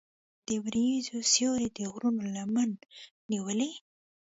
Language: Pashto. د وریځو سیوری د غرونو لمن نیولې.